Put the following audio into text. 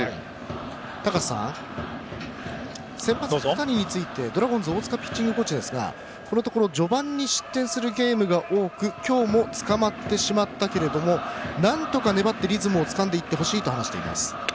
高瀬さん、先発の２人についてドラゴンズ大塚ピッチングコーチですがこのところ序盤に失点するゲームが多く今日もつかまってしまったがなんとか粘ってリズムをつかんでほしいと話しています。